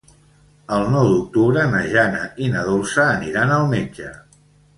El nou d'octubre na Jana i na Dolça aniran al metge.